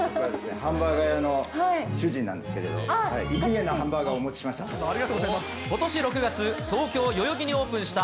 ハンバーガー屋の主人なんですけれど、異次元なハンバーガーをお持ちしました。